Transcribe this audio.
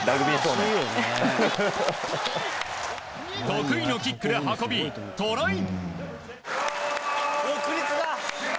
得意のキックで運び、トライ！